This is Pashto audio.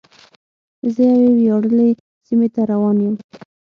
زه یوې ویاړلې سیمې ته روان یم.